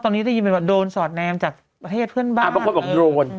ตอนนี้ได้ยินว่าโดนสอดแนมจากประเทศเพื่อนบ้าน